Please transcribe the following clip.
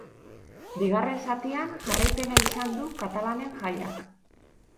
Bigarren zatian jarraipena izan du katalanen jaiak.